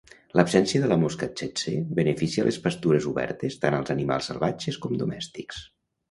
L'absència de la mosca tse-tse beneficia les pastures obertes tant als animals salvatges com domèstics.